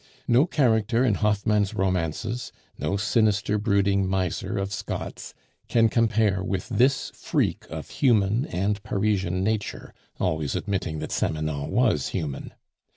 No character in Hoffmann's romances, no sinister brooding miser of Scott's, can compare with this freak of human and Parisian nature (always admitting that Samanon was human).